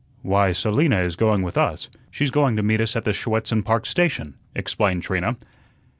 "Why, Selina is going with us." "She's going to meet us at the Schuetzen Park station" explained Trina.